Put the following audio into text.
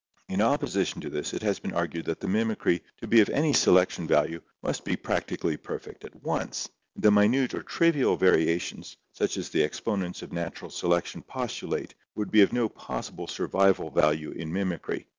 In opposi tion to this it has been argued that the mimicry to be of any selec tion value must be practically perfect at once, and the minute or trivial variations such as the exponents of natural selection postu late would be of no possible survival value in mimicry.